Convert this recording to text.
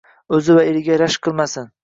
O‘zi va eriga rashk qilmasin.